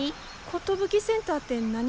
ことぶきセンターって何？